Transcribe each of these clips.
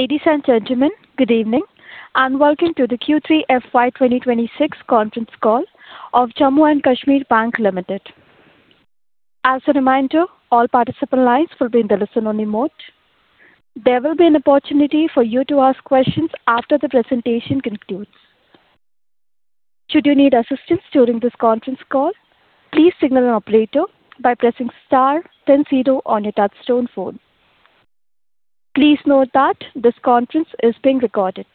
Ladies and gentlemen, good evening and welcome to the Q3FY 2026 conference call of Jammu and Kashmir Bank Limited. As a reminder, all participant lines will be in the listen-only mode. There will be an opportunity for you to ask questions after the presentation concludes. Should you need assistance during this conference call, please signal an operator by pressing star 10 zero on your touch-tone phone. Please note that this conference is being recorded.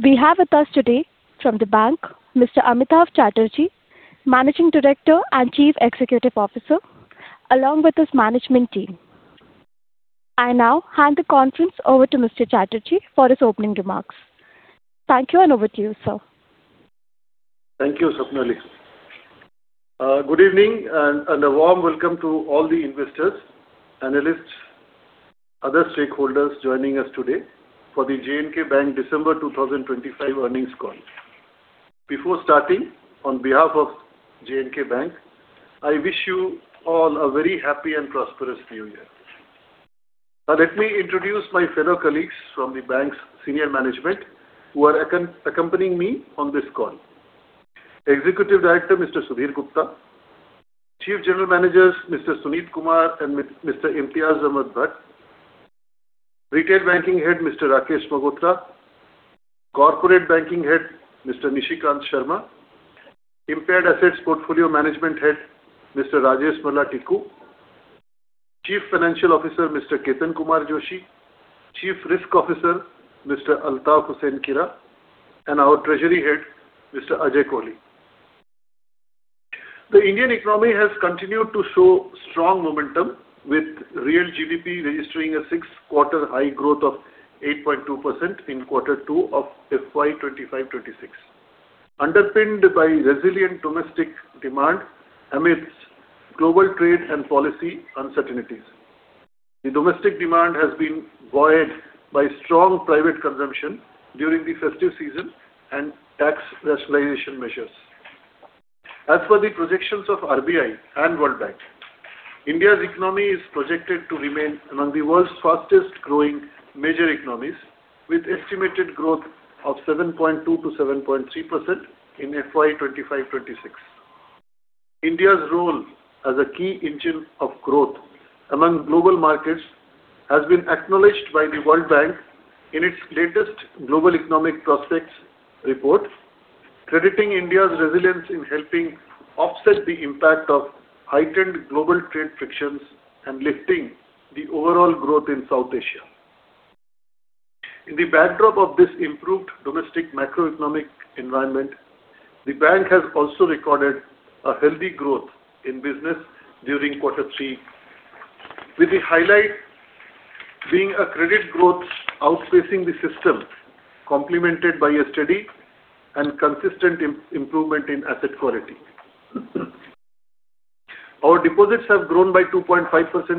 We have with us today from the bank, Mr. Amitava Chatterjee, Managing Director and Chief Executive Officer, along with his management team. I now hand the conference over to Mr. Chatterjee for his opening remarks. Thank you, and over to you, sir. Thank you, Swapnali. Good evening and a warm welcome to all the investors, analysts, and other stakeholders joining us today for the J&K Bank December 2025 earnings call. Before starting, on behalf of J&K Bank, I wish you all a very happy and prosperous New Year. Let me introduce my fellow colleagues from the bank's senior management who are accompanying me on this call: Executive Director, Mr. Sudhir Gupta, Chief General Managers, Mr. Sunit Kumar and Mr. Imtiyaz Ahmad Bhat, Retail Banking Head, Mr. Rakesh Magotra, Corporate Banking Head, Mr. Nishi Kant Sharma, Impaired Assets Portfolio Management Head, Mr. Rajesh Malla Tikku, Chief Financial Officer, Mr. Ketan Kumar Joshi, Chief Risk Officer, Mr. Altaf Hussain Kira, and our Treasury Head, Mr. Ajay Kohli. The Indian economy has continued to show strong momentum, with real GDP registering a six-quarter high growth of 8.2% in Q2 of FY 2025-26, underpinned by resilient domestic demand amidst global trade and policy uncertainties. The domestic demand has been buoyed by strong private consumption during the festive season and tax rationalization measures. As for the projections of RBI and World Bank, India's economy is projected to remain among the world's fastest-growing major economies, with an estimated growth of 7.2%-7.3% in FY 2025-2026. India's role as a key engine of growth among global markets has been acknowledged by the World Bank in its latest Global Economic Prospects report, crediting India's resilience in helping offset the impact of heightened global trade frictions and lifting the overall growth in South Asia. In the backdrop of this improved domestic macroeconomic environment, the bank has also recorded a healthy growth in business during quarter three, with the highlight being credit growth outpacing the system, complemented by a steady and consistent improvement in asset quality. Our deposits have grown by 2.5%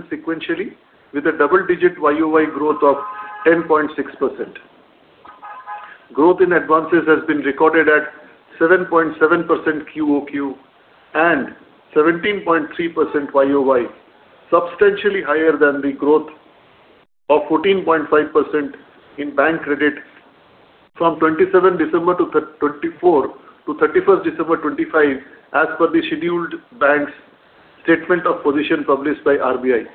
sequentially, with a double-digit YOY growth of 10.6%. Growth in advances has been recorded at 7.7% QOQ and 17.3% YOY, substantially higher than the growth of 14.5% in bank credit from December 27, 2023, to December 31, 2024, as per the scheduled banks' statement of position published by RBI,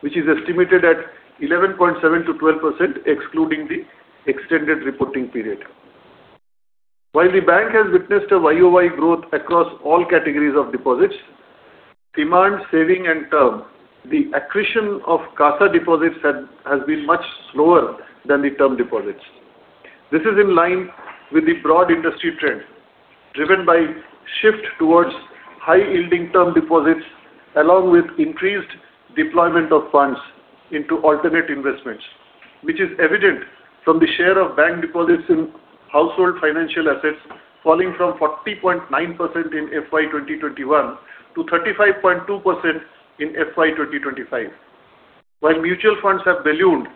which is estimated at 11.7%-12%, excluding the extended reporting period. While the bank has witnessed a YOY growth across all categories of deposits, demand, saving, and term, the accretion of CASA deposits has been much slower than the term deposits. This is in line with the broad industry trend driven by a shift towards high-yielding term deposits, along with increased deployment of funds into alternate investments, which is evident from the share of bank deposits in household financial assets falling from 40.9% in FY 2021 to 35.2% in FY 2025, while mutual funds have ballooned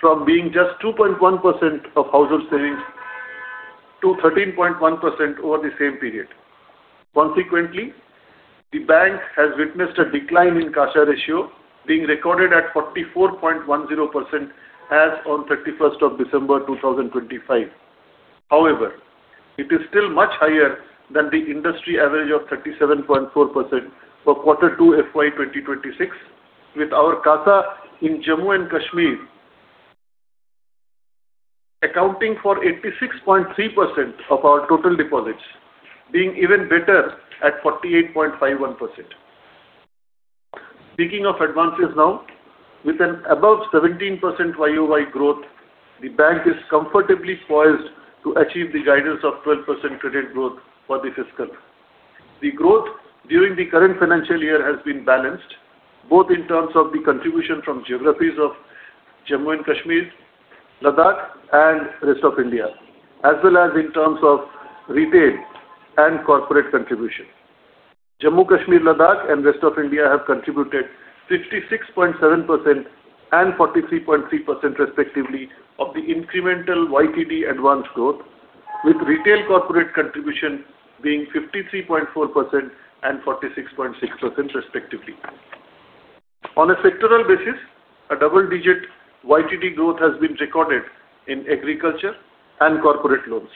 from being just 2.1% of household savings to 13.1% over the same period. Consequently, the bank has witnessed a decline in CASA ratio, being recorded at 44.10% as of December 31, 2025. However, it is still much higher than the industry average of 37.4% for quarter two FY 2026, with our CASA in Jammu and Kashmir accounting for 86.3% of our total deposits, being even better at 48.51%. Speaking of advances now, with an above 17% YOY growth, the bank is comfortably poised to achieve the guidance of 12% credit growth for the fiscal year. The growth during the current financial year has been balanced, both in terms of the contribution from geographies of Jammu and Kashmir, Ladakh, and the rest of India, as well as in terms of retail and corporate contribution. Jammu and Kashmir, Ladakh, and the rest of India have contributed 56.7% and 43.3%, respectively, of the incremental YTD advance growth, with retail and corporate contribution being 53.4% and 46.6%, respectively. On a sectoral basis, a double-digit YTD growth has been recorded in agriculture and corporate loans,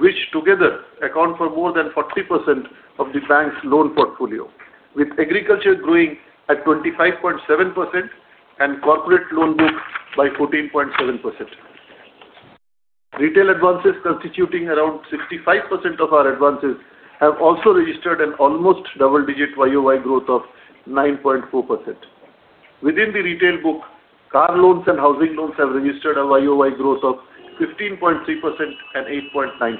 which together account for more than 40% of the bank's loan portfolio, with agriculture growing at 25.7% and corporate loan books by 14.7%. Retail advances, constituting around 65% of our advances, have also registered an almost double-digit YOY growth of 9.4%. Within the retail book, car loans and housing loans have registered a YOY growth of 15.3% and 8.9%.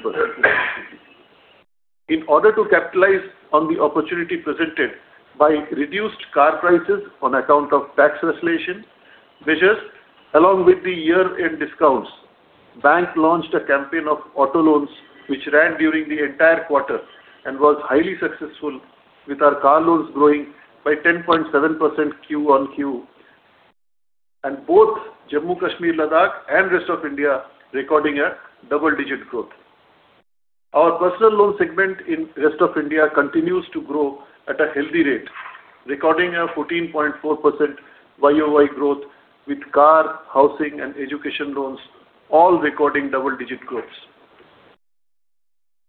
In order to capitalize on the opportunity presented by reduced car prices on account of tax regulation measures, along with the year-end discounts, the bank launched a campaign of auto loans, which ran during the entire quarter and was highly successful, with our car loans growing by 10.7% QOQ, and both Jammu and Kashmir, Ladakh, and the rest of India recording a double-digit growth. Our personal loan segment in the rest of India continues to grow at a healthy rate, recording a 14.4% YOY growth, with car, housing, and education loans all recording double-digit growths.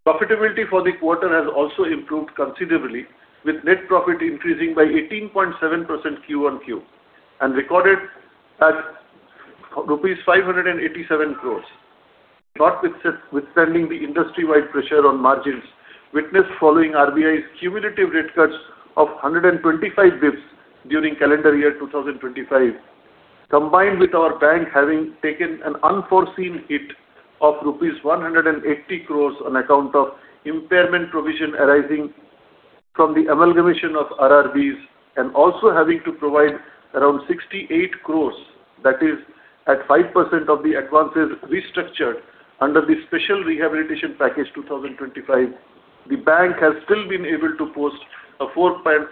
Profitability for the quarter has also improved considerably, with net profit increasing by 18.7% QOQ and recorded at INR 587 crores, notwithstanding the industry-wide pressure on margins witnessed following RBI's cumulative rate cuts of 125 basis points during calendar year 2025, combined with our bank having taken an unforeseen hit of rupees 180 crores on account of impairment provision arising from the amalgamation of RRBs and also having to provide around 68 crores, that is, at 5% of the advances restructured under the Special Rehabilitation Package 2025, the bank has still been able to post a 4.5%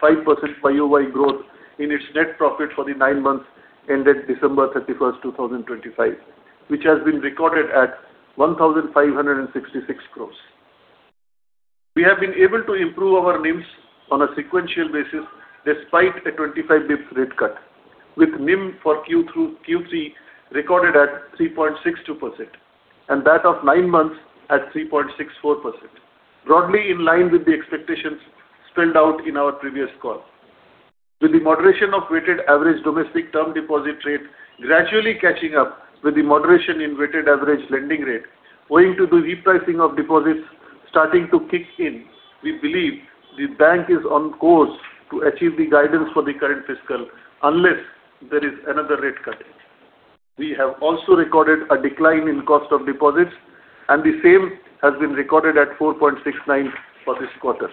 YOY growth in its net profit for the nine months ended December 31, 2025, which has been recorded at 1,566 crores. We have been able to improve our NIMs on a sequential basis despite a 25 basis point rate cut, with NIM for Q2 through Q3 recorded at 3.62% and that of nine months at 3.64%, broadly in line with the expectations spelled out in our previous call. With the moderation of weighted average domestic term deposit rate gradually catching up with the moderation in weighted average lending rate, owing to the repricing of deposits starting to kick in, we believe the bank is on course to achieve the guidance for the current fiscal unless there is another rate cut. We have also recorded a decline in cost of deposits, and the same has been recorded at 4.69% for this quarter.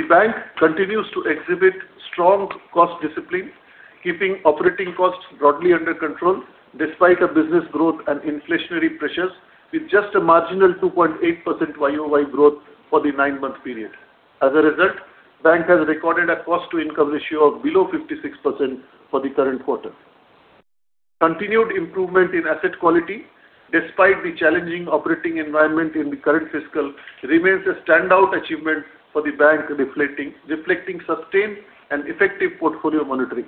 The bank continues to exhibit strong cost discipline, keeping operating costs broadly under control despite business growth and inflationary pressures, with just a marginal 2.8% YOY growth for the nine-month period. As a result, the bank has recorded a cost-to-income ratio of below 56% for the current quarter. Continued improvement in asset quality, despite the challenging operating environment in the current fiscal, remains a standout achievement for the bank, reflecting sustained and effective portfolio monitoring.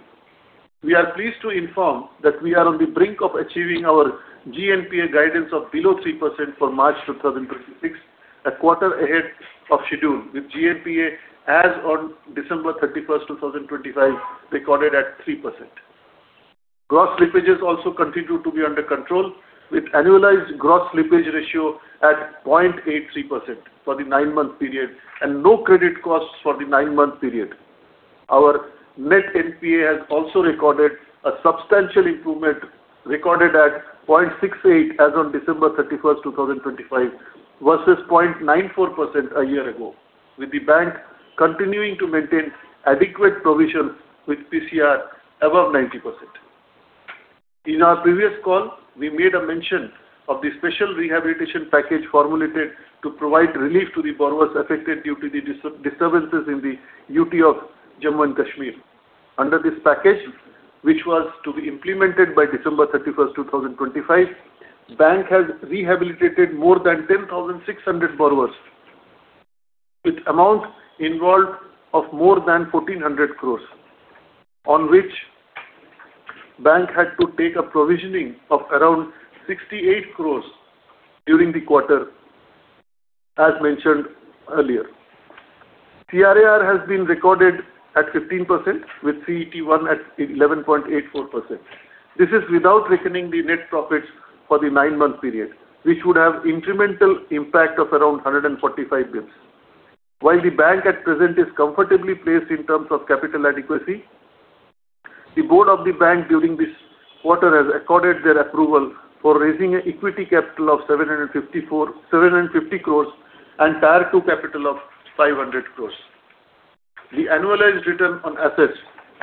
We are pleased to inform that we are on the brink of achieving our GNPA guidance of below 3% for March 2026, a quarter ahead of schedule, with GNPA as of December 31, 2025, recorded at 3%. Gross slippages also continue to be under control, with annualized gross slippage ratio at 0.83% for the nine-month period and no credit costs for the nine-month period. Our net NPA has also recorded a substantial improvement, recorded at 0.68% as of December 31, 2025, versus 0.94% a year ago, with the bank continuing to maintain adequate provision with PCR above 90%. In our previous call, we made a mention of the Special Rehabilitation Package formulated to provide relief to the borrowers affected due to the disturbances in the UT of Jammu and Kashmir. Under this package, which was to be implemented by December 31, 2025, the bank had rehabilitated more than 10,600 borrowers, with amounts involved of more than 1,400 crores, on which the bank had to take a provisioning of around 68 crores during the quarter, as mentioned earlier. CRAR has been recorded at 15%, with CET1 at 11.84%. This is without reckoning the net profits for the nine-month period, which would have an incremental impact of around 145 basis points. While the bank at present is comfortably placed in terms of capital adequacy, the board of the bank during this quarter has accorded their approval for raising equity capital of 750 crores and Tier 2 capital of 500 crores. The annualized return on assets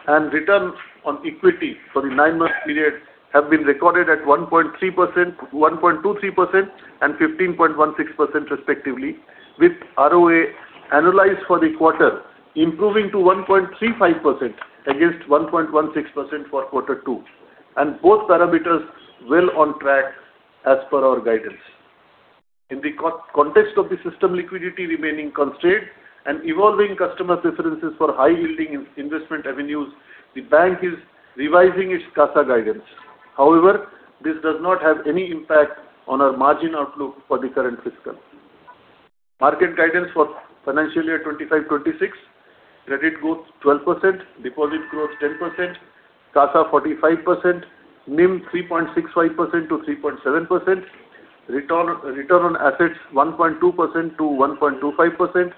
and return on equity for the nine-month period have been recorded at 1.23% and 15.16%, respectively, with ROA annualized for the quarter improving to 1.35% against 1.16% for Q2. Both parameters are well on track as per our guidance. In the context of the system liquidity remaining constrained and evolving customer preferences for high-yielding investment avenues, the bank is revising its CASA guidance. However, this does not have any impact on our margin outlook for the current fiscal. Market guidance for financial year 2025-2026: credit growth 12%, deposit growth 10%, CASA 45%, NIM 3.65%-3.7%, return on assets 1.2%-1.25%,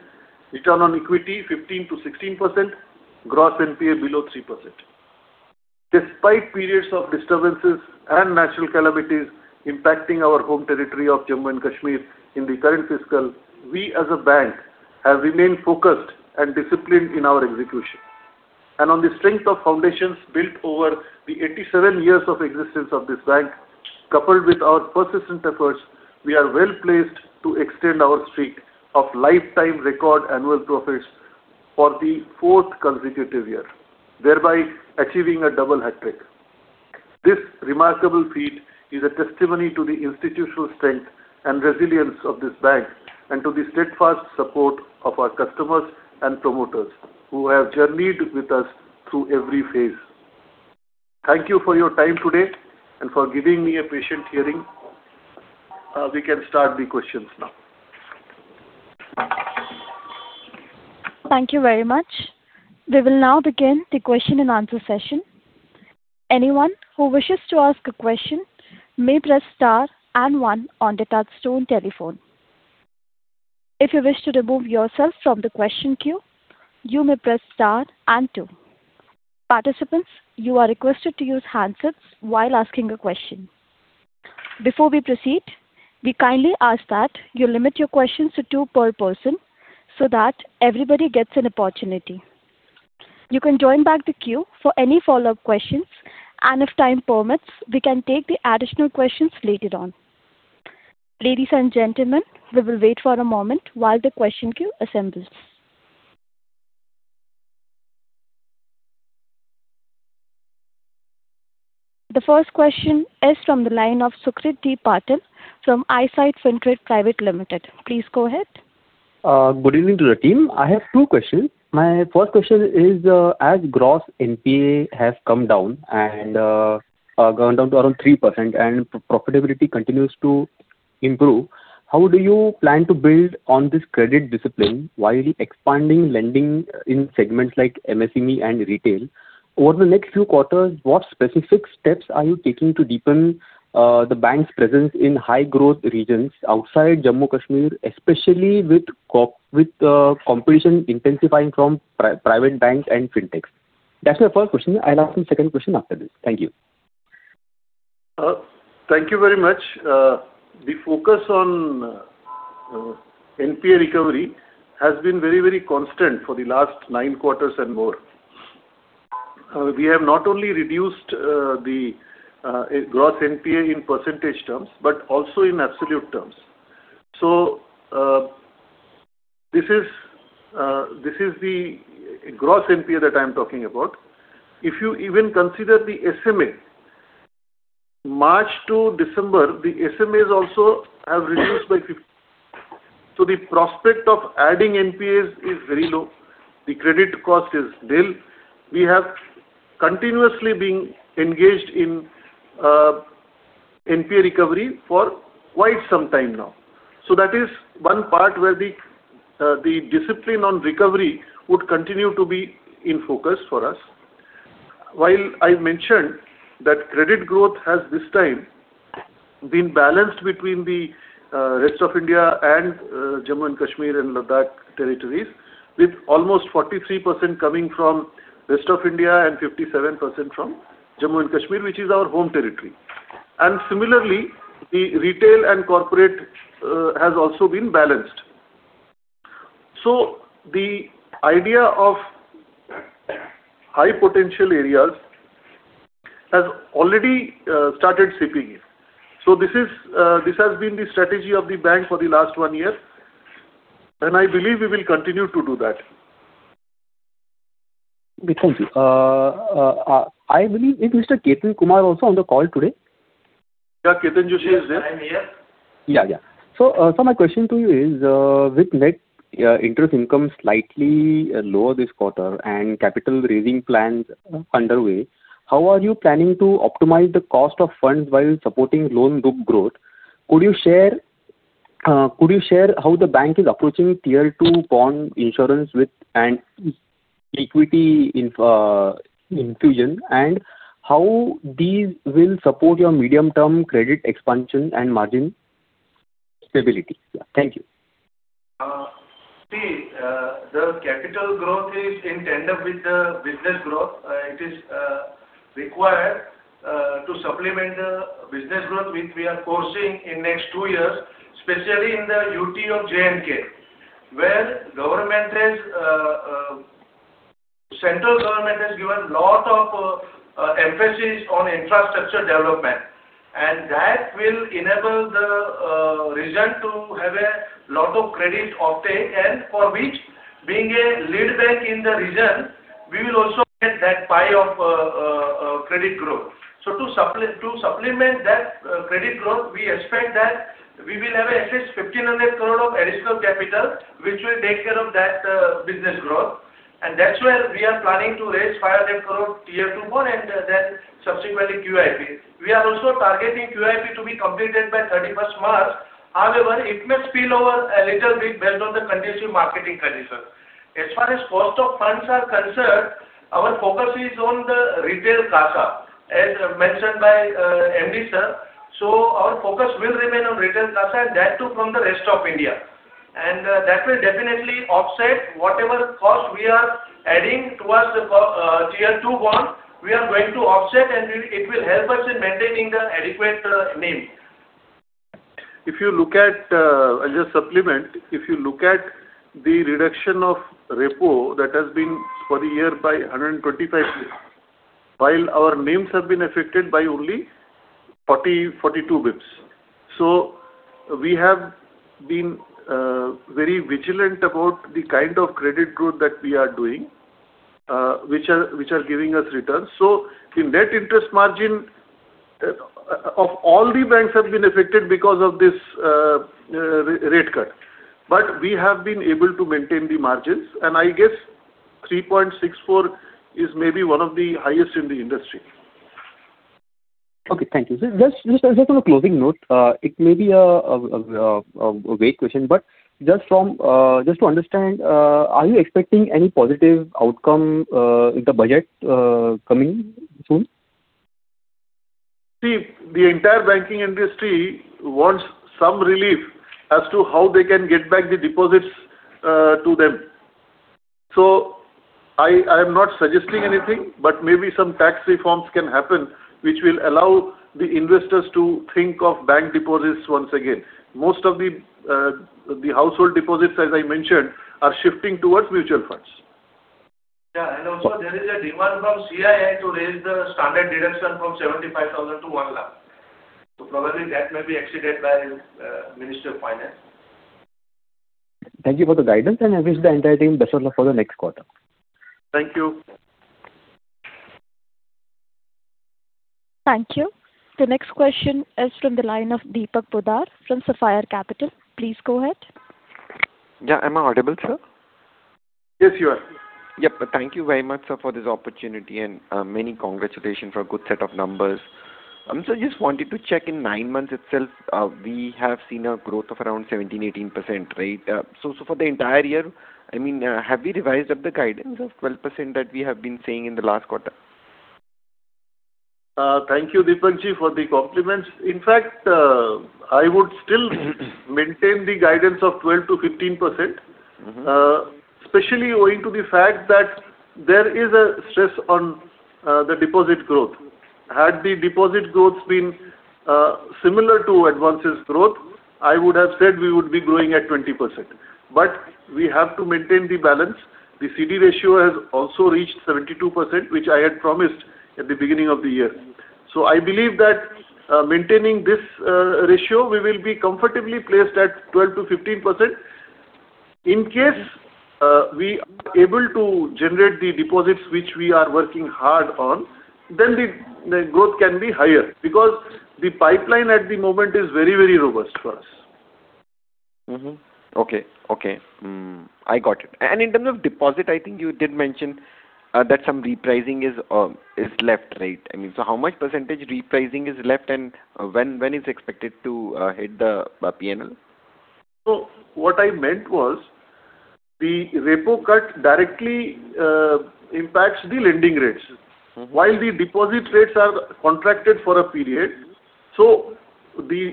return on equity 15%-16%, gross NPA below 3%. Despite periods of disturbances and natural calamities impacting our home territory of Jammu and Kashmir in the current fiscal, we, as a bank, have remained focused and disciplined in our execution. On the strength of foundations built over the 87 years of existence of this bank, coupled with our persistent efforts, we are well placed to extend our streak of lifetime record annual profits for the fourth consecutive year, thereby achieving a double hat trick. This remarkable feat is a testimony to the institutional strength and resilience of this bank and to the steadfast support of our customers and promoters who have journeyed with us through every phase. Thank you for your time today and for giving me a patient hearing. We can start the questions now. Thank you very much. We will now begin the question-and-answer session. Anyone who wishes to ask a question may press star and one on the touch-tone telephone. If you wish to remove yourself from the question queue, you may press star and two. Participants, you are requested to use handsets while asking a question. Before we proceed, we kindly ask that you limit your questions to two per person so that everybody gets an opportunity. You can join back the queue for any follow-up questions, and if time permits, we can take the additional questions later on. Ladies and gentlemen, we will wait for a moment while the question queue assembles. The first question is from the line of Sucrit D. Patil from Eyesight Fintrade Private Limited. Please go ahead. Good evening to the team. I have two questions. My first question is, as gross NPA has come down and gone down to around 3% and profitability continues to improve, how do you plan to build on this credit discipline while expanding lending in segments like MSME and retail? Over the next few quarters, what specific steps are you taking to deepen the bank's presence in high-growth regions outside Jammu and Kashmir, especially with competition intensifying from private banks and fintechs? That's my first question. I'll ask the second question after this. Thank you. Thank you very much. The focus on NPA recovery has been very, very constant for the last nine quarters and more. We have not only reduced the gross NPA in percentage terms but also in absolute terms. So this is the gross NPA that I'm talking about. If you even consider the SMA, March to December, the SMAs also have reduced by 50%. So the prospect of adding NPAs is very low. The credit cost is low. We have continuously been engaged in NPA recovery for quite some time now. So that is one part where the discipline on recovery would continue to be in focus for us. While I mentioned that credit growth has this time been balanced between the rest of India and Jammu and Kashmir and Ladakh territories, with almost 43% coming from the rest of India and 57% from Jammu and Kashmir, which is our home territory. And similarly, the retail and corporate has also been balanced. So the idea of high-potential areas has already started seeping in. So this has been the strategy of the bank for the last one year, and I believe we will continue to do that. Thank you. I believe Mr. Ketan Kumar Joshi also on the call today. Yeah, Ketan Joshi is there. Yeah, yeah. So my question to you is, with net interest income slightly lower this quarter and capital raising plans underway, how are you planning to optimize the cost of funds while supporting loan book growth? Could you share how the bank is approaching Tier 2 bond issuance with equity infusion and how these will support your medium-term credit expansion and margin stability? Thank you. See, the capital growth is in tandem with the business growth. It is required to supplement the business growth which we are focusing in the next two years, especially in the UT of J&K, where the central government has given a lot of emphasis on infrastructure development. And that will enable the region to have a lot of credit uptake, and for which, being a lead bank in the region, we will also get that pie of credit growth. So to supplement that credit growth, we expect that we will have at least 1,500 crore of additional capital, which will take care of that business growth. And that's where we are planning to raise 500 crore Tier 2 bond and then subsequently QIP. We are also targeting QIP to be completed by 31 March. However, it may spill over a little bit based on the condition of market conditions. As far as cost of funds are concerned, our focus is on the retail CASA, as mentioned by MD sir. So our focus will remain on retail CASA and that too from the of India. And that will definitely offset whatever cost we are adding towards the Tier 2 bond. We are going to offset, and it will help us in maintaining the adequate NIM. If you look at it as a supplement, if you look at the reduction of repo that has been for the year by 125 bips, while our NIMs have been affected by only 42 bips. So we have been very vigilant about the kind of credit growth that we are doing, which are giving us returns. So the net interest margin of all the banks has been affected because of this rate cut. But we have been able to maintain the margins. And I guess 3.64 is maybe one of the highest in the industry. Okay. Thank you. Just on a closing note, it may be a vague question, but just to understand, are you expecting any positive outcome in the budget coming soon? See, the entire banking industry wants some relief as to how they can get back the deposits to them. So I am not suggesting anything, but maybe some tax reforms can happen, which will allow the investors to think of bank deposits once again. Most of the household deposits, as I mentioned, are shifting towards mutual funds. Yeah. And also, there is a demand from CII to raise the standard deduction from 75,000 to 1,000,000. So probably that may be exceeded by the Ministry of Finance. Thank you for the guidance, and I wish the entire team the best of luck for the next quarter. Thank you. Thank you. The next question is from the line of Deepak Poddar from Sapphire Capital. Please go ahead. Yeah. Am I audible, sir? Yes, you are. Yep. Thank you very much for this opportunity and many congratulations for a good set of numbers. I just wanted to check in nine months itself, we have seen a growth of around 17%-18%, right? So for the entire year, I mean, have we revised up the guidance of 12% that we have been seeing in the last quarter? Thank you, Deepak Ji, for the compliments. In fact, I would still maintain the guidance of 12%-15%, especially owing to the fact that there is a stress on the deposit growth. Had the deposit growth been similar to advances growth, I would have said we would be growing at 20%. But we have to maintain the balance. The CD ratio has also reached 72%, which I had promised at the beginning of the year. So I believe that maintaining this ratio, we will be comfortably placed at 12%-15%. In case we are able to generate the deposits, which we are working hard on, then the growth can be higher because the pipeline at the moment is very, very robust for us. Okay. Okay. I got it. And in terms of deposit, I think you did mention that some repricing is left, right? I mean, so how much percentage repricing is left and when is expected to hit the P&L? So what I meant was the repo cut directly impacts the lending rates. While the deposit rates are contracted for a period, so the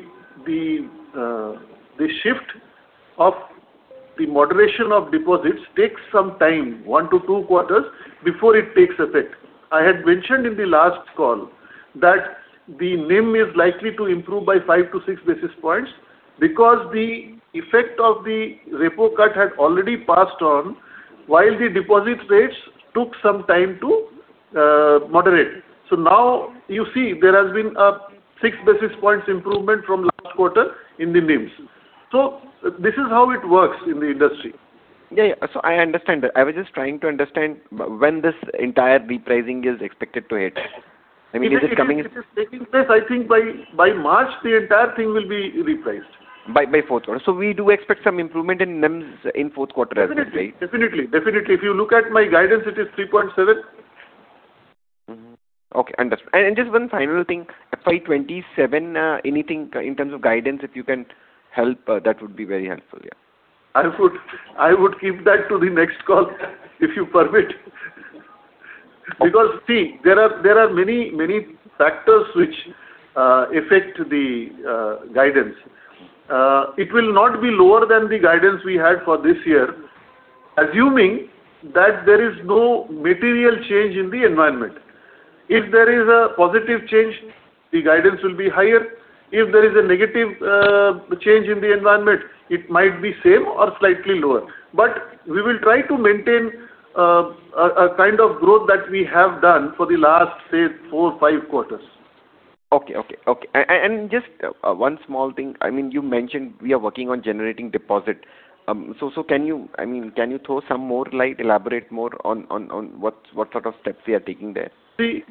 shift of the moderation of deposits takes some time, one to two quarters before it takes effect. I had mentioned in the last call that the NIM is likely to improve by five to six basis points because the effect of the repo cut had already passed on while the deposit rates took some time to moderate. So now you see there has been a six basis points improvement from last quarter in the NIMs. So this is how it works in the industry. Yeah. So I understand that. I was just trying to understand when this entire repricing is expected to hit. I mean, is it coming? It is taking place, I think, by March, the entire thing will be repriced. By fourth quarter. So we do expect some improvement in NIMs in fourth quarter as well, right? Definitely. Definitely. Definitely. If you look at my guidance, it is 3.7. Okay. Understood. And just one final thing, FY 2027, anything in terms of guidance, if you can help, that would be very helpful, yeah. I would keep that to the next call, if you permit. Because see, there are many factors which affect the guidance. It will not be lower than the guidance we had for this year, assuming that there is no material change in the environment. If there is a positive change, the guidance will be higher. If there is a negative change in the environment, it might be same or slightly lower, but we will try to maintain a kind of growth that we have done for the last, say, four, five quarters. Okay. Okay. Okay. And just one small thing, I mean, you mentioned we are working on generating deposit. So can you, I mean, can you throw some more light, elaborate more on what sort of steps we are taking there? See,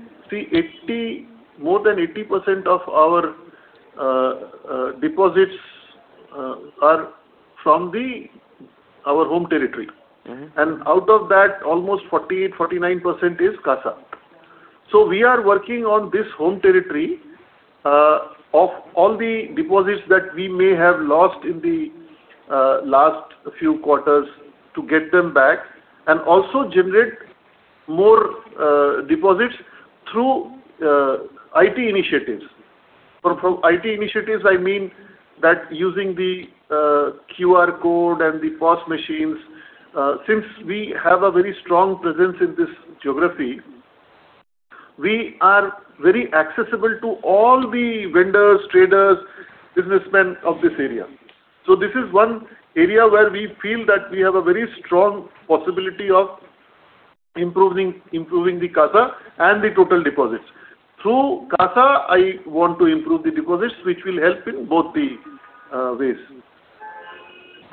more than 80% of our deposits are from our home territory. And out of that, almost 48%-49% is CASA. So we are working on this home territory of all the deposits that we may have lost in the last few quarters to get them back and also generate more deposits through IT initiatives. From IT initiatives, I mean that using the QR code and the POS machines. Since we have a very strong presence in this geography, we are very accessible to all the vendors, traders, businessmen of this area. So this is one area where we feel that we have a very strong possibility of improving the CASA and the total deposits. Through CASA, I want to improve the deposits, which will help in both the ways.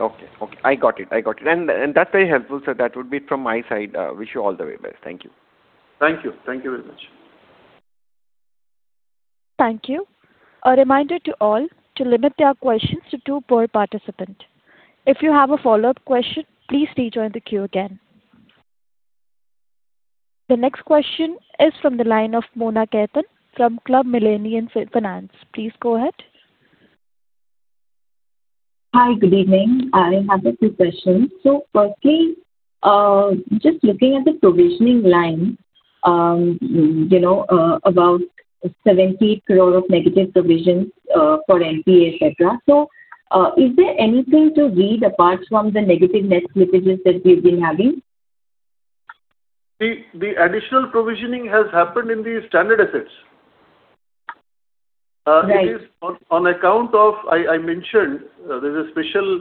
Okay. Okay. I got it. I got it. And that's very helpful, sir. That would be it from my side. Wish you all the very best. Thank you. Thank you. Thank you very much. Thank you. A reminder to all to limit their questions to two per participant. If you have a follow-up question, please rejoin the queue again. The next question is from the line of Mona Khetan from Club Millionaire Financial Services. Please go ahead. Hi. Good evening. I have a few questions. So firstly, just looking at the provisioning line about 70 crore of negative provisions for NPA, etc., so is there anything to read apart from the negative net slippages that we've been having? See, the additional provisioning has happened in the standard assets. It is on account of. I mentioned there's a special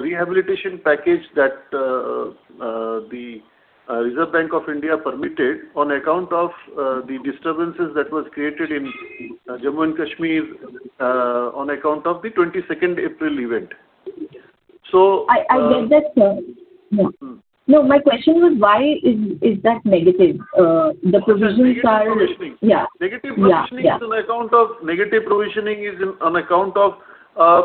rehabilitation package that the Reserve Bank of India permitted on account of the disturbances that were created in Jammu and Kashmir on account of the 22nd April event. So I get that, sir. No. My question was, why is that negative? The provisions are yeah. Negative provisioning is on account of a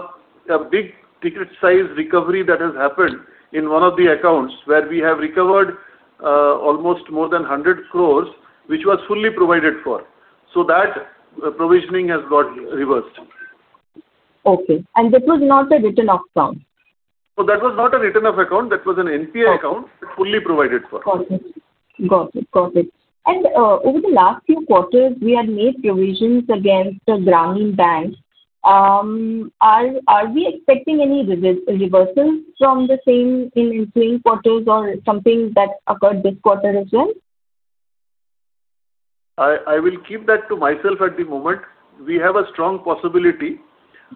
big ticket-sized recovery that has happened in one of the accounts where we have recovered almost more than 100 crores, which was fully provided for. So that provisioning has got reversed. Okay. And this was not a written-off account? So that was not a written account. That was an NPA account fully provided for. Got it. Got it. Got it. And over the last few quarters, we had made provisions against Grameen Bank. Are we expecting any reversals from the same in the interim quarters or something that occurred this quarter as well? I will keep that to myself at the moment. We have a strong possibility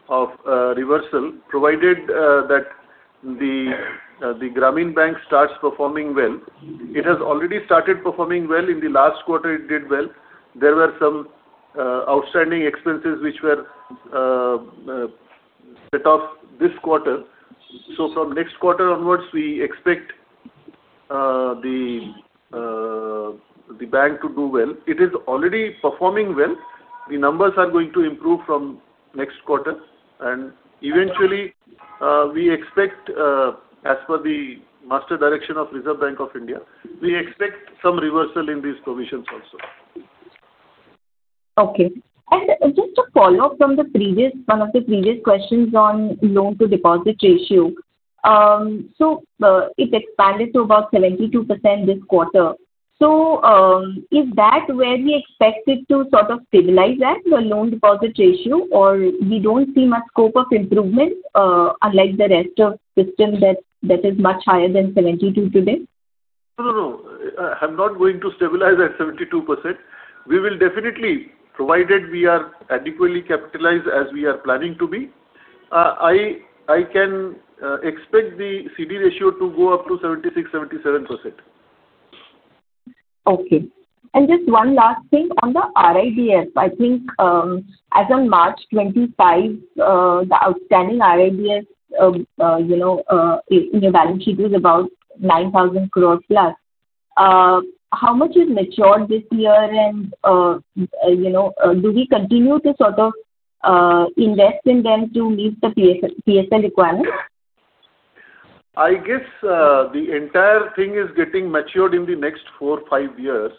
of reversal provided that the Grameen Bank starts performing well. It has already started performing well. In the last quarter, it did well. There were some outstanding expenses which were set off this quarter. So from next quarter onwards, we expect the bank to do well. It is already performing well. The numbers are going to improve from next quarter. And eventually, we expect, as per the master direction of Reserve Bank of India, we expect some reversal in these provisions also. Okay. And just to follow up from one of the previous questions on loan-to-deposit ratio, so it expanded to about 72% this quarter. So is that where we expect it to sort of stabilize at, the loan-to-deposit ratio, or we don't see much scope of improvement unlike the rest of the system that is much higher than 72% today? No, no, no. I'm not going to stabilize at 72%. We will definitely, provided we are adequately capitalized as we are planning to be, I can expect the CD ratio to go up to 76%-77%. Okay. And just one last thing on the RIDF. I think as of March 25, the outstanding RIDF in the balance sheet was about 9,000+ crore. How much has matured this year, and do we continue to sort of invest in them to meet the PSL requirements? I guess the entire thing is getting matured in the next four, five years.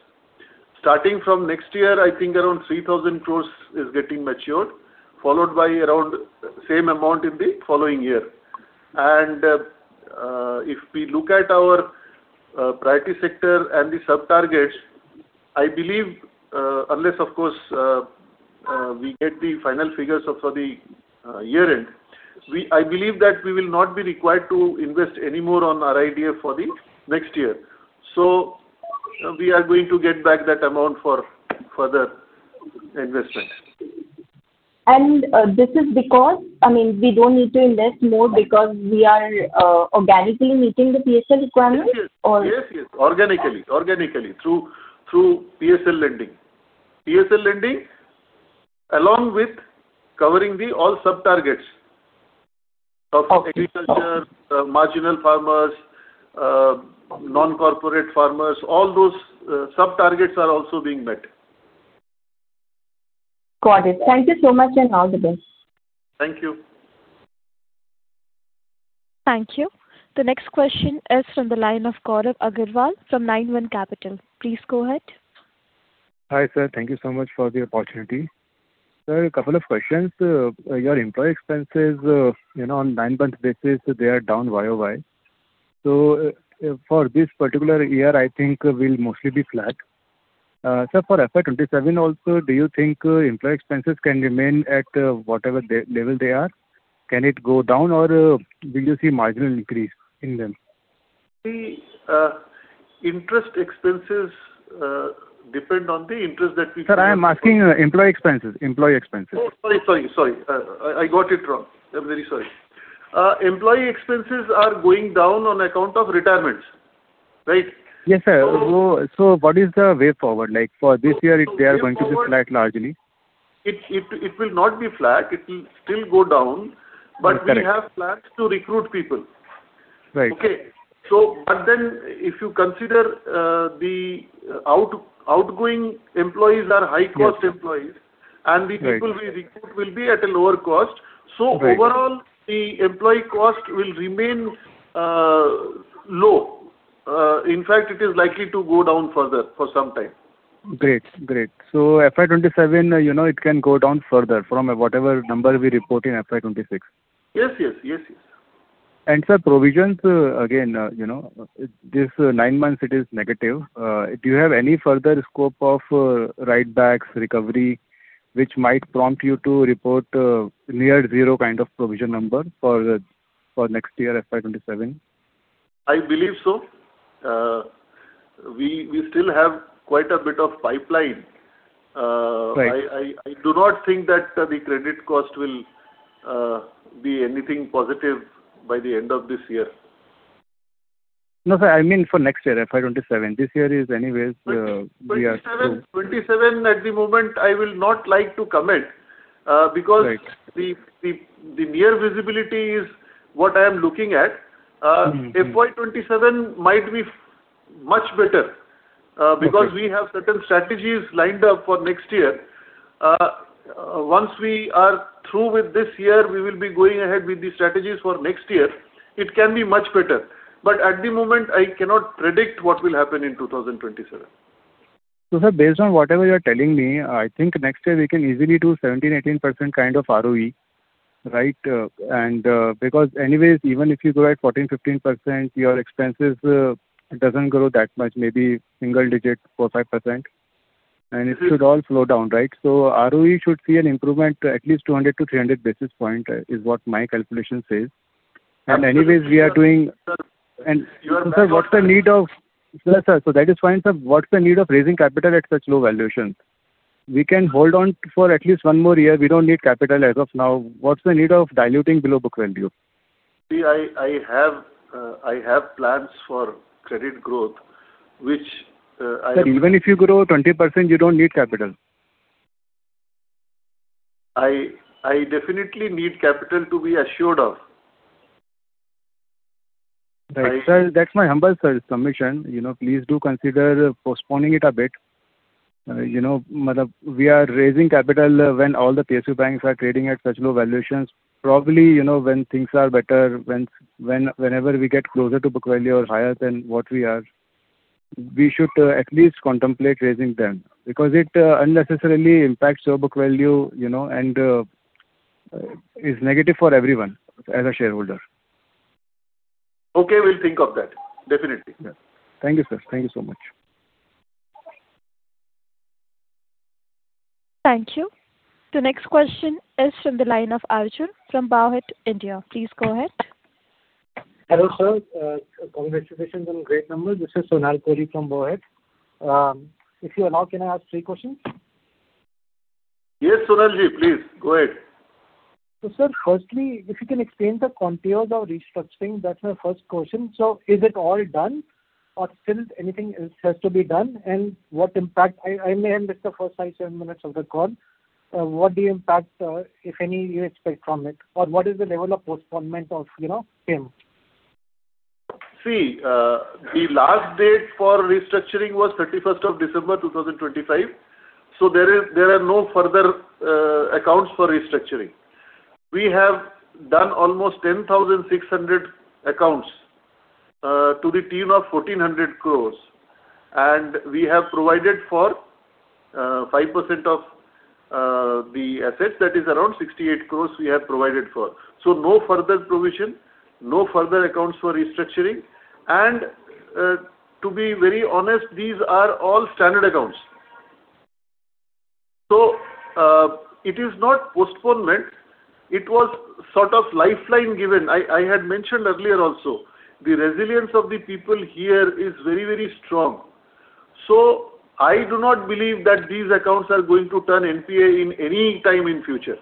Starting from next year, I think around 3,000 crores is getting matured, followed by around the same amount in the following year. And if we look at our priority sector and the sub-targets, I believe, unless, of course, we get the final figures for the year-end, I believe that we will not be required to invest anymore on RIDF for the next year. So we are going to get back that amount for further investment. And this is because, I mean, we don't need to invest more because we are organically meeting the PSL requirements or? Yes, yes, yes. Organically. Organically through PSL lending. PSL lending along with covering all sub-targets of agriculture, marginal farmers, non-corporate farmers. All those sub-targets are also being met. Got it. Thank you so much and all the best. Thank you. Thank you. The next question is from the line of Gaurav Agrawal from Nine One Capital. Please go ahead. Hi, sir. Thank you so much for the opportunity. Sir, a couple of questions. Your employee expenses on nine-month basis, they are down YOY. So for this particular year, I think will mostly be flat. Sir, for FY2027 also, do you think employee expenses can remain at whatever level they are? Can it go down, or will you see marginal increase in them? The interest expenses depend on the interest that we— Sir, I am asking employee expenses. Employee expenses. Oh, sorry, sorry, sorry. I got it wrong. I'm very sorry. Employee expenses are going down on account of retirements, right? Yes, sir. So what is the way forward? For this year, they are going to be flat largely? It will not be flat. It will still go down, but we have plans to recruit people. Okay. But then if you consider the outgoing employees are high-cost employees, and the people we recruit will be at a lower cost, so overall, the employee cost will remain low. In fact, it is likely to go down further for some time. Great. Great. So FY2027, it can go down further from whatever number we report in FY2026. Yes, yes, yes, yes, And sir, provisions, again, this nine months, it is negative. Do you have any further scope of write-backs, recovery, which might prompt you to report near-zero kind of provision number for next year, FY2027? I believe so. We still have quite a bit of pipeline. I do not think that the credit cost will be anything positive by the end of this year. No, sir. I mean for next year, FY2027. This year is anyways 2027, 2027 at the moment. I will not like to comment because the near visibility is what I am looking at. FY2027 might be much better because we have certain strategies lined up for next year. Once we are through with this year, we will be going ahead with the strategies for next year. It can be much better. But at the moment, I cannot predict what will happen in 2027. So sir, based on whatever you are telling me, I think next year we can easily do 17%-18% kind of ROE, right? And because anyways, even if you go at 14%-15%, your expenses don't grow that much, maybe single digit 4%-5%. And it should all slow down, right? So ROE should see an improvement at least 200 to 300 basis points is what my calculation says. Anyways, sir, so that is fine, sir. What's the need of raising capital at such low valuations? We can hold on for at least one more year. We don't need capital as of now. What's the need of diluting below book value? See, I have plans for credit growth. Sir, even if you grow 20%, you don't need capital. I definitely need capital to be assured of. Right. That's my humble submission. Please do consider postponing it a bit. We are raising capital when all the PSU banks are trading at such low valuations. Probably when things are better, whenever we get closer to book value or higher than what we are, we should at least contemplate raising them because it unnecessarily impacts your book value and is negative for everyone as a shareholder. Okay. We'll think of that. Definitely. Thank you, sir. Thank you so much. Thank you. The next question is from the line of Arjun from Bowhead India. Please go ahead. Hello sir. Congratulations on great numbers. This is Sonal Kohli from Bowhead. If you allow, can I ask three questions? Yes, Sonal ji, please. Go ahead. So sir, firstly, if you can explain the contours of restructuring, that's my first question. So is it all done, or still anything else has to be done, and what impact? I may have missed the first five to seven minutes of the call. What the impact, if any, you expect from it, or what is the level of postponement of him? See, the last date for restructuring was 31st of December 2025. So there are no further accounts for restructuring. We have done almost 10,600 accounts to the tune of 1,400 crores, and we have provided for 5% of the assets. That is around 68 crores we have provided for, so no further provision, no further accounts for restructuring, and to be very honest, these are all standard accounts, so it is not postponement. It was sort of lifeline given. I had mentioned earlier also, the resilience of the people here is very, very strong, so I do not believe that these accounts are going to turn NPA in any time in future.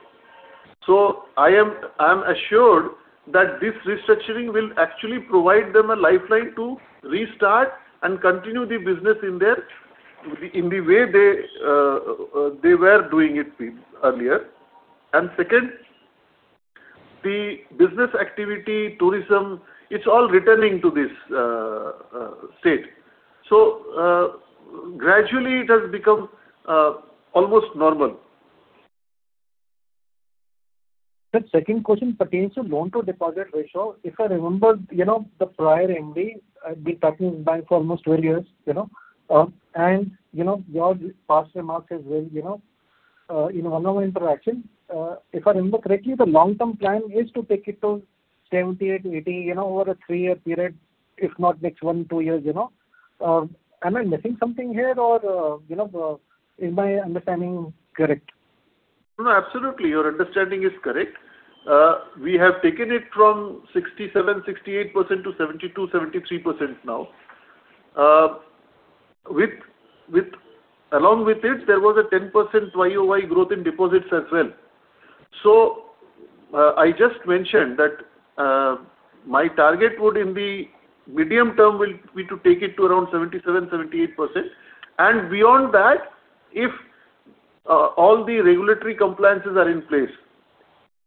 So I am assured that this restructuring will actually provide them a lifeline to restart and continue the business in the way they were doing it earlier, and second, the business activity, tourism, it's all returning to this state, so gradually, it has become almost normal. Second question pertains to loan-to-deposit ratio. If I remember the prior MD, I've been talking with the bank for almost 12 years, and your past remarks as well, in one of my interactions, if I remember correctly, the long-term plan is to take it to 78-80 over a three-year period, if not next one, two years. Am I missing something here, or is my understanding correct? No, absolutely. Your understanding is correct. We have taken it from 67%-68% to 72%-73% now. Along with it, there was a 10% YOY growth in deposits as well, so I just mentioned that my target would, in the medium term, be to take it to around 77%-78%, and beyond that, if all the regulatory compliances are in place,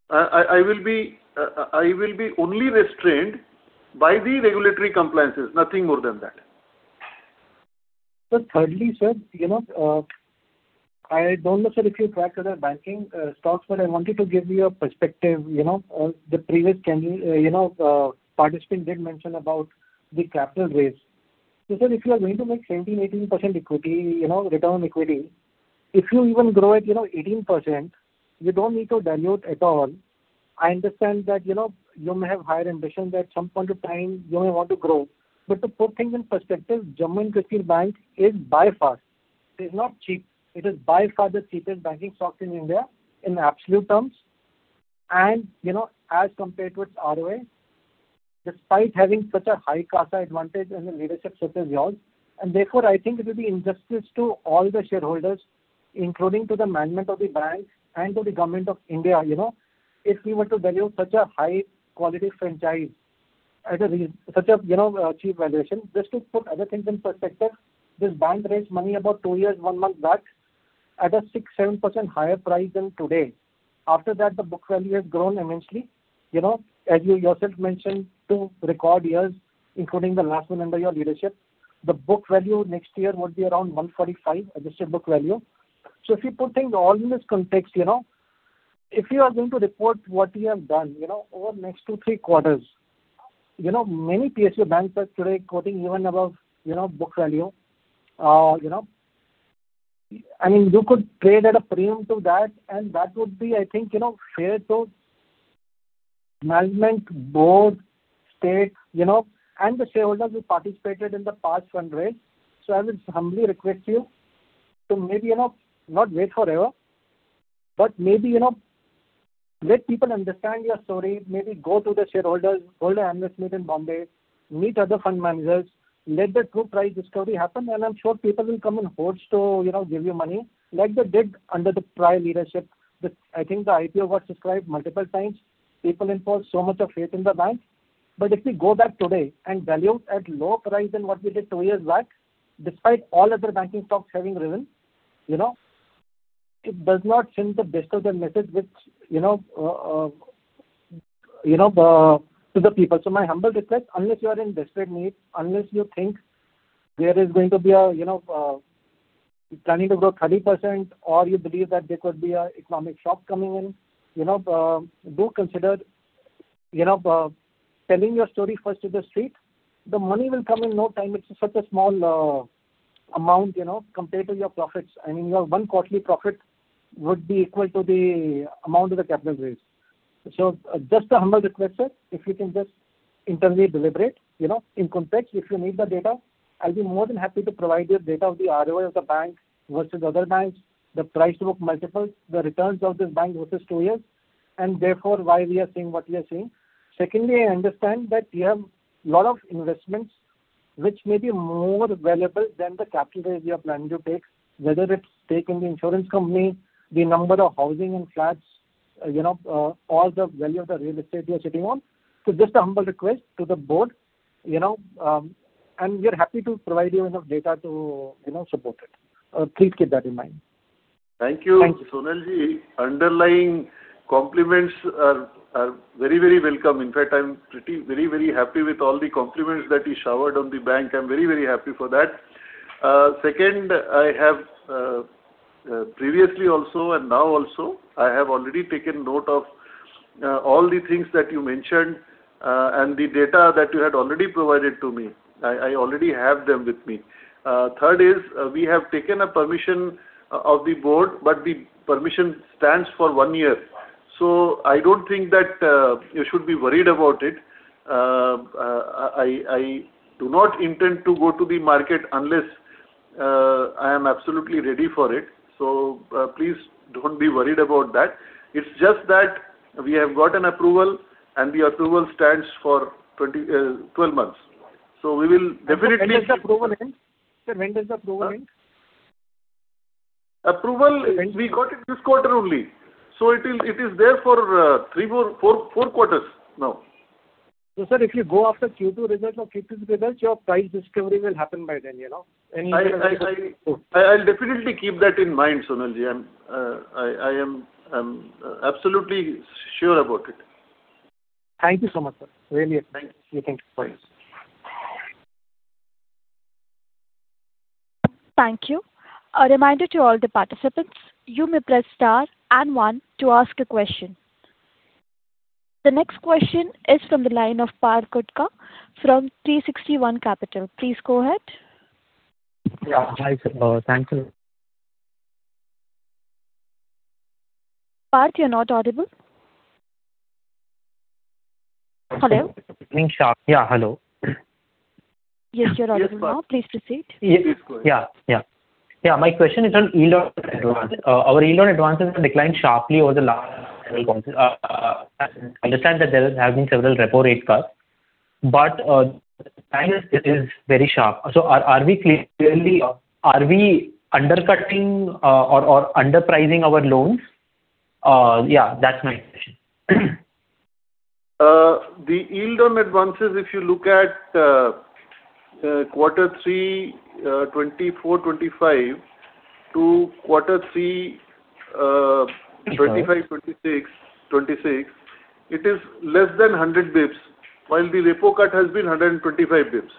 I will be only restrained by the regulatory compliances, nothing more than that. Thirdly, sir, I don't know, sir, if you track other banking stocks, but I wanted to give you a perspective. The previous participant did mention about the capital raise. So sir, if you are going to make 17%-18% return on equity, if you even grow at 18%, you don't need to dilute at all. I understand that you may have higher ambitions at some point of time. You may want to grow. But to put things in perspective, Jammu and Kashmir Bank is by far. It is not cheap. It is by far the cheapest banking stock in India in absolute terms. As compared to its ROA, despite having such a high CASA advantage and the leadership such as yours, and therefore, I think it would be industrious to all the shareholders, including to the management of the bank and to the government of India, if we were to deliver such a high-quality franchise at such a cheap valuation. Just to put other things in perspective, this bank raised money about two years, one month back at a 6%-7% higher price than today. After that, the book value has grown immensely. As you yourself mentioned, two record years, including the last one under your leadership, the book value next year would be around 145, adjusted book value. If you put things all in this context, if you are going to report what you have done over the next two, three quarters, many PSU banks are today quoting even above book value. I mean, you could trade at a premium to that, and that would be, I think, fair to management, board, state, and the shareholders who participated in the past fundraise. So I would humbly request you to maybe not wait forever, but maybe let people understand your story, maybe go to the shareholders, hold an investor meet in Bombay, meet other fund managers, let the true price discovery happen, and I'm sure people will come in hordes to give you money. Like they did under the prior leadership, I think the IPO was described multiple times. People reposed so much faith in the bank. But if we go back today and value it at lower price than what we did two years back, despite all other banking stocks having risen, it does not send the best of the message to the people. So my humble request, unless you are in desperate need, unless you think there is going to be a planning to grow 30%, or you believe that there could be an economic shock coming in, do consider telling your story first to the street. The money will come in no time. It's such a small amount compared to your profits. I mean, your one quarterly profit would be equal to the amount of the capital raise. So just a humble request, sir, if you can just internally deliberate in context, if you need the data, I'll be more than happy to provide you data of the ROI of the bank versus other banks, the price-to-book multiple, the returns of this bank versus two years, and therefore why we are seeing what we are seeing. Secondly, I understand that you have a lot of investments which may be more valuable than the capital raise you are planning to take, whether it's taking the insurance company, the number of housing and flats, or the value of the real estate you are sitting on. So just a humble request to the board, and we are happy to provide you enough data to support it. Please keep that in mind. Thank you. Thank you, Sonal ji. Your kind compliments are very, very welcome. In fact, I'm very, very happy with all the compliments that you showered on the bank. I'm very, very happy for that. Second, I have previously also, and now also, I have already taken note of all the things that you mentioned and the data that you had already provided to me. I already have them with me. Third is, we have taken a permission of the board, but the permission stands for one year. So I don't think that you should be worried about it. I do not intend to go to the market unless I am absolutely ready for it. So please don't be worried about that. It's just that we have got an approval, and the approval stands for 12 months. So we will definitely. When does the approval end? Sir, when does the approval end? Approval, we got it this quarter only. So it is there for four quarters now. So sir, if you go after Q2 results or Q3 results, your price discovery will happen by then. I'll definitely keep that in mind, Sonal ji. I am absolutely sure about it. Thank you so much, sir. Really. Thank you. Thank you. Bye. Thank you. A reminder to all the participants, you may press star and one to ask a question. The next question is from the line of Parth Gutka from 360 One Capital. Please go ahead. Yeah. Hi, sir. Thank you. Parth, you're not audible. Hello? Yeah. Hello. Yes, you're audible now. Please proceed. Yeah. Yeah. Yeah. My question is on education loan. Our education loan has declined sharply over the last several conferences. I understand that there have been several repo rate cuts, but the decline is very sharp. So are we clearly, are we undercutting or underpricing our loans? Yeah, that's my question. The NIM on advances, if you look at quarter three, 2024, 2025, to quarter three, 2025, 2026, it is less than 100 basis points, while the repo cut has been 125 basis points.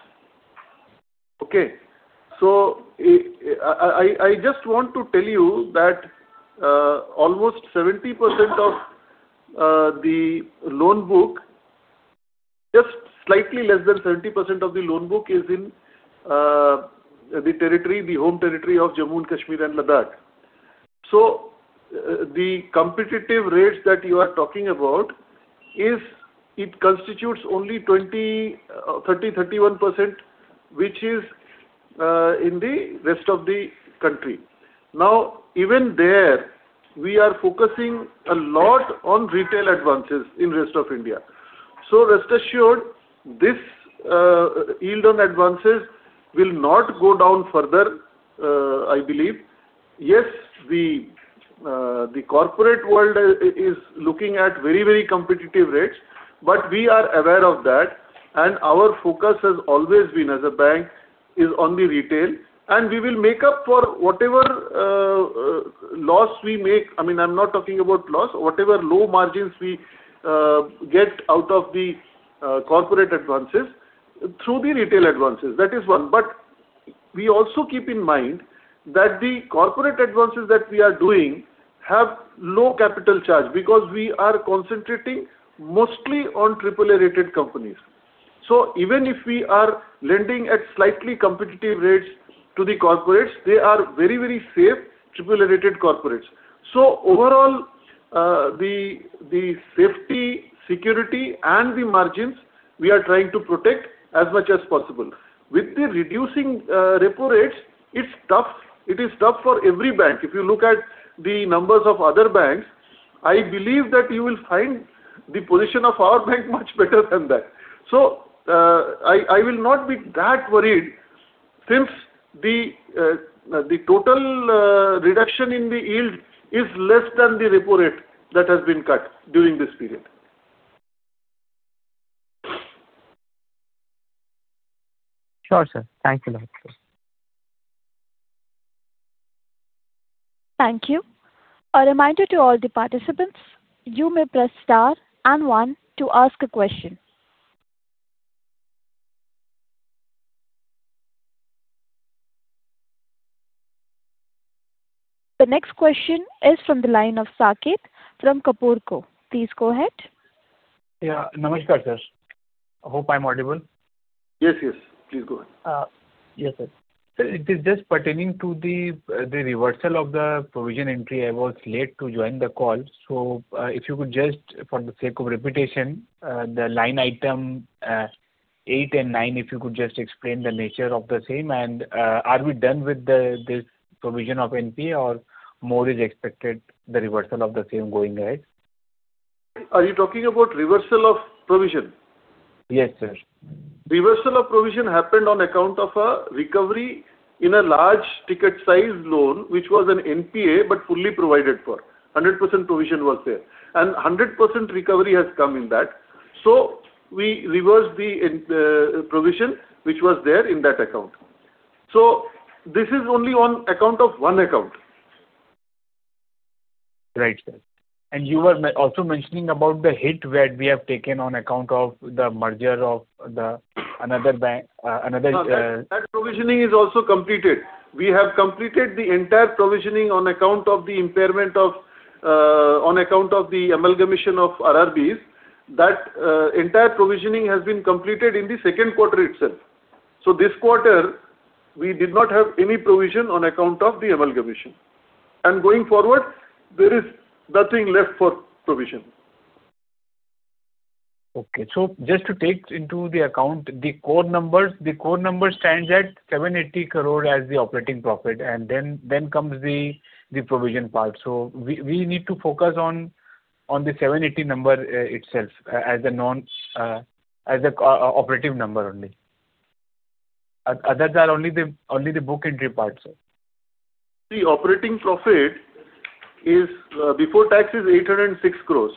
Okay. So I just want to tell you that almost 70% of the loan book, just slightly less than 70% of the loan book is in the home territory of Jammu and Kashmir and Ladakh. So the competitive rates that you are talking about is, it constitutes only 20%, 30%, 31%, which is in the rest of the country. Now, even there, we are focusing a lot on retail advances in the rest of India. So rest assured, this NIM on advances will not go down further, I believe. Yes, the corporate world is looking at very, very competitive rates, but we are aware of that, and our focus has always been as a bank is on the retail, and we will make up for whatever loss we make, I mean, I'm not talking about loss, whatever low margins we get out of the corporate advances through the retail advances. That is one. But we also keep in mind that the corporate advances that we are doing have low capital charge because we are concentrating mostly on triple-rated companies. So even if we are lending at slightly competitive rates to the corporates, they are very, very safe triple-rated corporates. So overall, the safety, security, and the margins we are trying to protect as much as possible. With the reducing repo rates, it's tough. It is tough for every bank. If you look at the numbers of other banks, I believe that you will find the position of our bank much better than that. So I will not be that worried since the total reduction in the yield is less than the repo rate that has been cut during this period. Sure, sir. Thank you very much. Thank you. A reminder to all the participants, you may press star and one to ask a question. The next question is from the line of Saket Kapoor from Kapoor & Co. Please go ahead. Yeah. Namaskar, sir. I hope I'm audible. Yes, yes. Please go ahead. Yes, sir. Sir, it is just pertaining to the reversal of the provision entry. I was late to join the call. So if you could just, for the sake of reputation, the line item eight and nine, if you could just explain the nature of the same, and are we done with the provision of NPA, or more is expected, the reversal of the same going ahead? Are you talking about reversal of provision? Yes, sir. Reversal of provision happened on account of a recovery in a large ticket-sized loan, which was an NPA, but fully provided for. 100% provision was there. And 100% recovery has come in that. So we reversed the provision, which was there in that account. So this is only on account of one account. Right, sir. And you were also mentioning about the hit that we have taken on account of the merger of another bank. That provisioning is also completed. We have completed the entire provisioning on account of the impairment of on account of the amalgamation of RRBs. That entire provisioning has been completed in the second quarter itself. So this quarter, we did not have any provision on account of the amalgamation. And going forward, there is nothing left for provision. Okay. So just to take into the account, the core numbers stands at 780 crore as the operating profit, and then comes the provision part. So we need to focus on the 780 number itself as a operative number only. Others are only the book entry part, sir. The operating profit is before tax is 806 crores.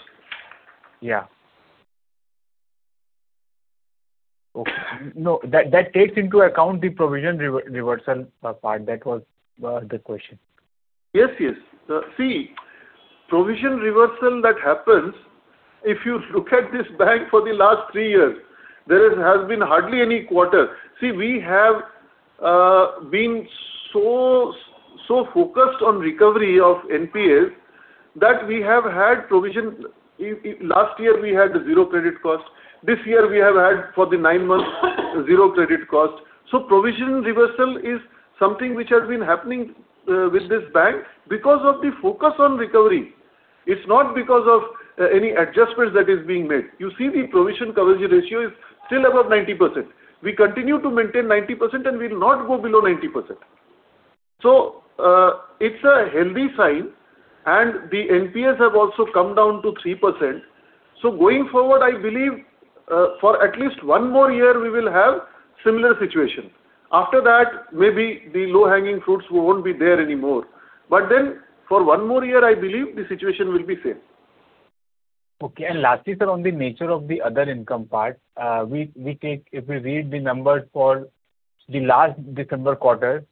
Yeah. Okay. No, that takes into account the provision reversal part. That was the question. Yes, yes. See, provision reversal that happens, if you look at this bank for the last three years, there has been hardly any quarter. See, we have been so focused on recovery of NPAs that we have had provision. Last year, we have had zero credit cost. This year, we have had for the nine months, zero credit cost. So provision reversal is something which has been happening with this bank because of the focus on recovery. It's not because of any adjustments that are being made. You see, the provision coverage ratio is still above 90%. We continue to maintain 90%, and we will not go below 90%. So it's a healthy sign, and the NPAs have also come down to 3%. So going forward, I believe for at least one more year, we will have a similar situation. After that, maybe the low-hanging fruits won't be there anymore. But then for one more year, I believe the situation will be the same. Okay. Lastly, sir, on the nature of the other income part, if we read the numbers for the last December quarter,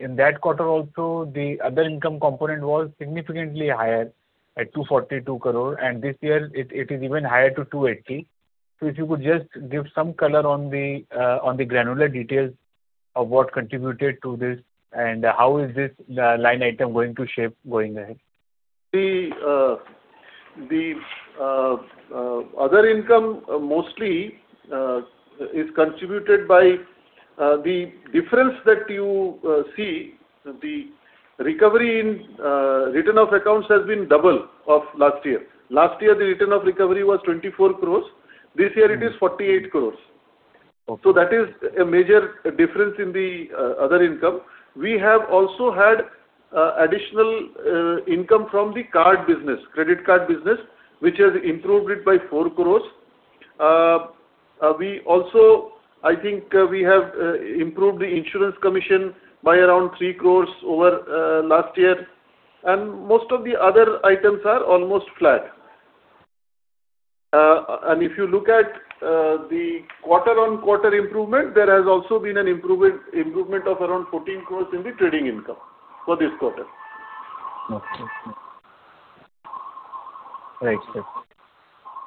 in that quarter also, the other income component was significantly higher at 242 crore, and this year, it is even higher to 280. If you could just give some color on the granular details of what contributed to this and how is this line item going to shape going ahead? The other income mostly is contributed by the difference that you see. The recovery in return of accounts has been double of last year. Last year, the return of recovery was 24 crores. This year, it is 48 crores. That is a major difference in the other income. We have also had additional income from the card business, credit card business, which has improved it by 4 crores. We also, I think, we have improved the insurance commission by around 3 crores over last year. And most of the other items are almost flat. And if you look at the quarter-on-quarter improvement, there has also been an improvement of around 14 crores in the trading income for this quarter. Okay. Right, sir.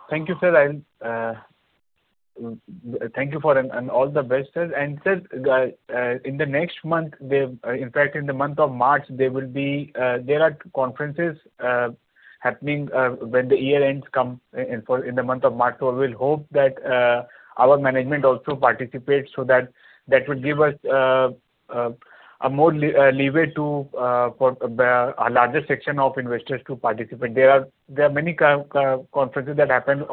Thank you, sir. Thank you for all the best, sir. And sir, in the next month, in fact, in the month of March, there are conferences happening when the year ends in the month of March. So we'll hope that our management also participates so that that will give us a more leeway for a larger section of investors to participate. There are many conferences that happen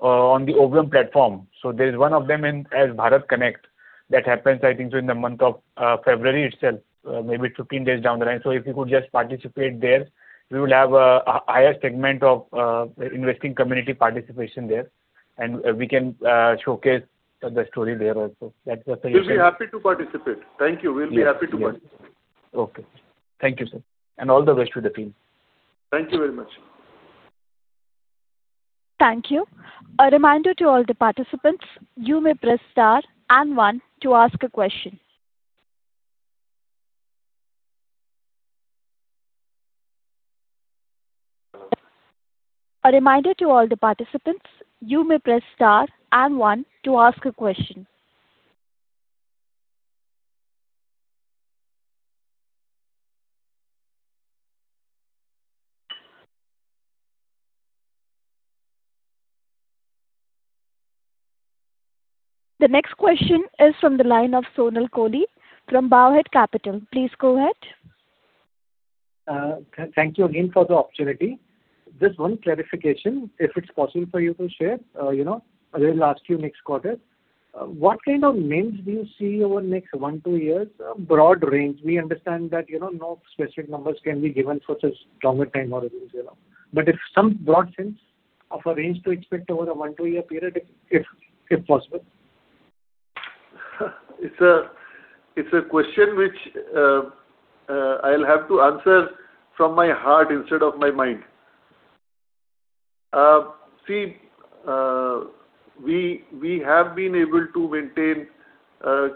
on the OBM platform. So there is one of them as Bharat Connect that happens, I think, in the month of February itself, maybe 15 days down the line. So if you could just participate there, we will have a higher segment of investing community participation there, and we can showcase the story there also. That's the suggestion. We'll be happy to participate. Thank you. Okay. Thank you, sir. And all the best to the team. Thank you very much. Thank you. A reminder to all the participants, you may press star and one to ask a question. The next question is from the line of Sonaal Kohli from Bowhead Capital. Please go ahead. Thank you again for the opportunity. Just one clarification, if it's possible for you to share, I will ask you next quarter. What kind of NIMs do you see over the next one to two years? Broad range. We understand that no specific numbers can be given for such longer time horizons. But if some broad sense of a range to expect over a one-year period, if possible. It's a question which I'll have to answer from my heart instead of my mind. See, we have been able to maintain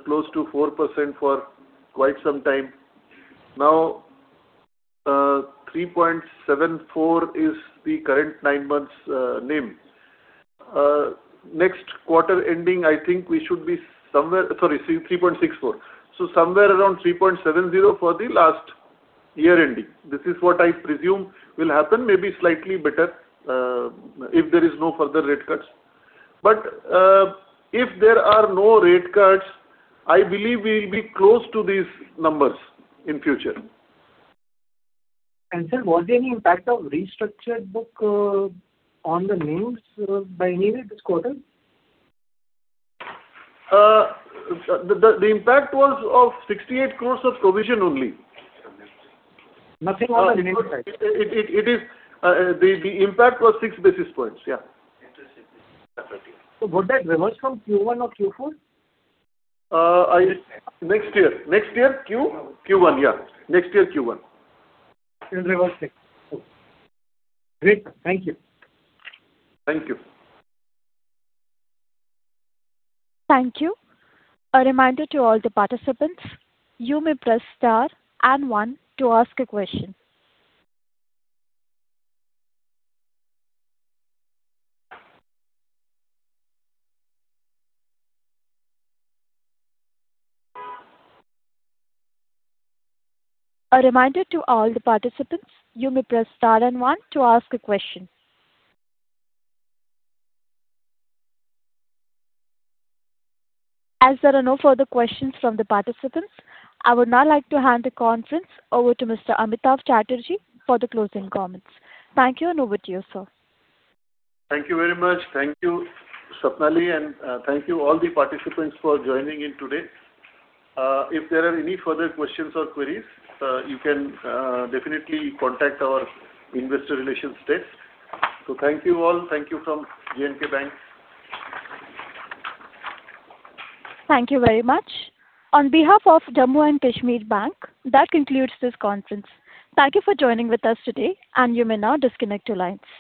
close to 4% for quite some time. Now, 3.74% is the current nine months' NIM. Next quarter ending, I think we should be somewhere, sorry, 3.64%. So somewhere around 3.70% for the last year ending. This is what I presume will happen, maybe slightly better if there are no further rate cuts. But if there are no rate cuts, I believe we will be close to these numbers in the future. And sir, was there any impact of restructured book on the NIMs by any way this quarter? The impact was of 68 crores of provision only. Nothing on the NIMs side? The impact was six basis points. Yeah. Interesting. So would that reverse from Q1 or Q4? Next year. Next year, Q1. Yeah. Next year, Q1. It will reverse. Great. Thank you. Thank you. Thank you. A reminder to all the participants, you may press star and one to ask a question. A reminder to all the participants, you may press star and one to ask a question. As there are no further questions from the participants, I would now like to hand the conference over to Mr. Amitava Chatterjee for the closing comments. Thank you, and over to you, sir. Thank you very much. Thank you, Swapnali, and thank you to all the participants for joining in today. If there are any further questions or queries, you can definitely contact our investor relations desk. So thank you all. Thank you from J&K Bank. Thank you very much. On behalf of Jammu and Kashmir Bank, that concludes this conference. Thank you for joining with us today, and you may now disconnect your lines.